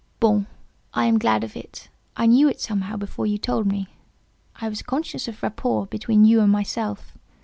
"Bon! I am glad of it. I knew it, somehow; before you told me. I was conscious of rapport between you and myself.